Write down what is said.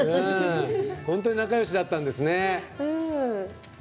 本当に仲よしだったんですね。